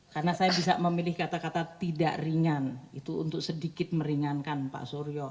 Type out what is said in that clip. karena saya bisa memilih kata kata tidak ringan itu untuk sedikit meringankan pak suryo